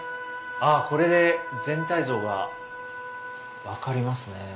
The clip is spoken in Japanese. ああこれで全体像が分かりますねえ。